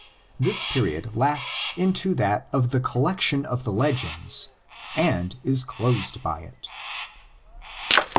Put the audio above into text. This period lasts over into that of the collection of the legends and is closed by it.